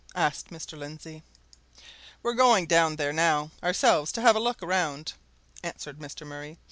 asked Mr. Lindsey. "We're going down there now ourselves to have a look round," answered Mr. Murray.